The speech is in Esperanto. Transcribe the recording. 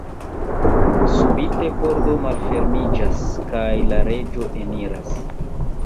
Subite pordo malfermiĝas, kaj la reĝo eniras.